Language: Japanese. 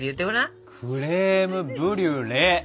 クレームブリュレ！